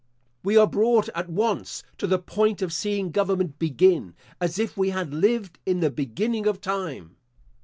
We are brought at once to the point of seeing government begin, as if we had lived in the beginning of time.